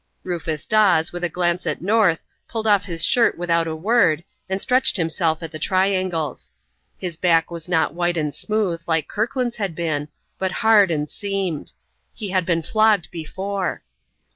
Rufus Dawes, with a glance at North, pulled off his shirt without a word, and stretched himself at the triangles. His back was not white and smooth, like Kirkland's had been, but hard and seamed. He had been flogged before.